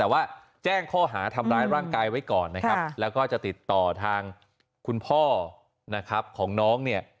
แต่ว่าแจ้งข้อหาทำร้ายร่างกายไว้ก่อนนะครับแล้วก็จะติดต่อทางคุณพ่อนะครับของน้องเนี่ย